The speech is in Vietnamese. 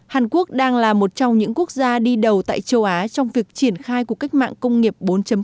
hàn quốc đang là một trong những quốc gia đi đầu tại châu á trong việc triển khai cuộc cách mạng công nghiệp bốn